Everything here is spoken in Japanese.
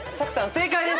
正解です！